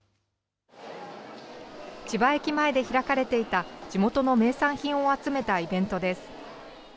千葉駅前で開かれていた地元の名産品を集めたイベントです。